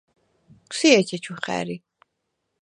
სი ეჩეჩუ ხა̈რი.